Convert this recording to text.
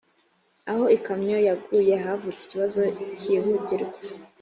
aho ikamyo yaguye havutse ikibazo cyihutirwa